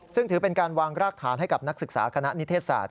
ซึ่งถือเป็นการวางรากฐานให้กับนักศึกษาคณะนิเทศศาสต